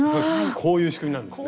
こういう仕組みなんですね。